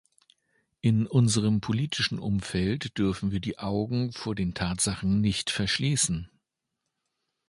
In unserem politischen Umfeld dürfen wir die Augen vor den Tatsachen nicht verschließen.